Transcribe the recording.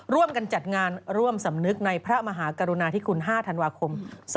ร่วมกันจัดงานร่วมสำนึกในพระมหากรุณาธิคุณ๕ธันวาคม๒๕๖